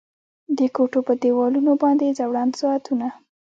د کوټو په دیوالونو باندې ځوړند ساعتونه